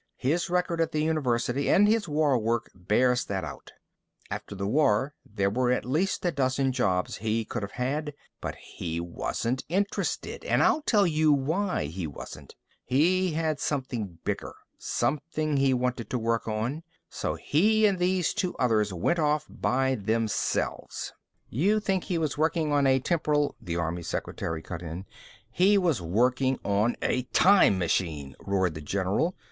His record at the university and his war work bears that out. After the war, there were at least a dozen jobs he could have had. But he wasn't interested. And I'll tell you why he wasn't. He had something bigger something he wanted to work on. So he and these two others went off by themselves " "You think he was working on a temporal " the army secretary cut in. "He was working on a time machine," roared the general.